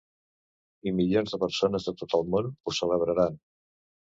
I milions de persones de tot el món ho celebraran.